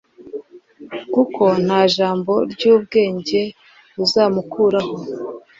kuko nta jambo ry'ubwenge uzamukuraho